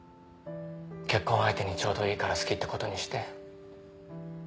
結婚相手にちょうどいいから好きってことにして。